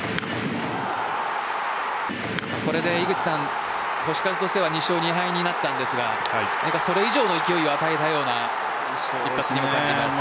これで星数としては２勝２敗になったんですがそれ以上の勢いを与えたような一発にも感じます。